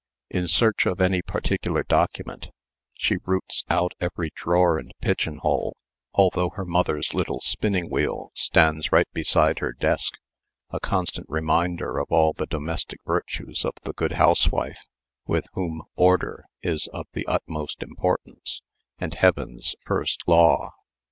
In search of any particular document she roots out every drawer and pigeon hole, although her mother's little spinning wheel stands right beside her desk, a constant reminder of all the domestic virtues of the good housewife, with whom "order" is of the utmost importance and "heaven's first law."